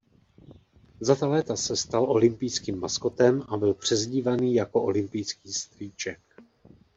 Za ta léta se stal „olympijským maskotem“ a byl přezdívaný jako „olympijský strýček“.